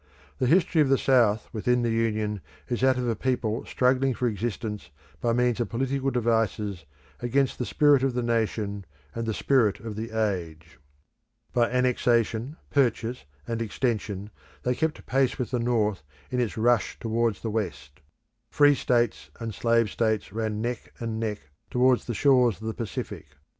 The history of the South within the Union is that of a people struggling for existence by means of political devices against the spirit of the nation and the spirit of the age. By annexation, purchase, and extension they kept pace with the North in its rush towards the West. Free states and slave states ran neck and neck towards the shores of the Pacific.